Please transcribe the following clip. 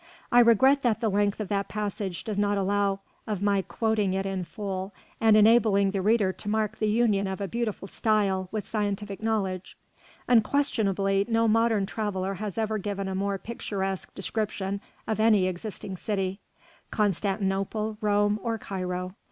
I regret that the length of that passage does not allow of my quoting it in full and enabling the reader to mark the union of a beautiful style with scientific knowledge. Unquestionably no modern traveller has ever given a more picturesque description of any existing city, Constantinople, Rome, or Cairo.